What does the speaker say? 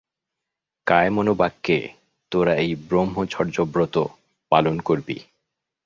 কায়মনোবাক্যে তোরা এই ব্রহ্মচর্যব্রত পালন করবি।